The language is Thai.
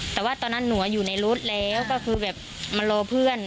แต่ว่าตอนนั้นหนูอยู่ในรถแล้วก็คือแบบมารอเพื่อน